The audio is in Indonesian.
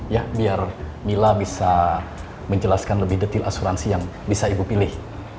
ya biar mila bisa menjelaskan lebih detail asuransi yang bisa ibu pilih